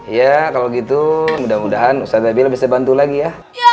ya kalau gitu mudah mudahan ustadz nabila bisa bantu lagi ya